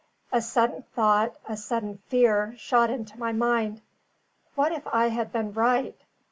A sudden thought, a sudden fear, shot into my mind. What if I had been right?